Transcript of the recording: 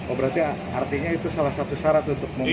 oh berarti artinya itu salah satu syarat untuk membuat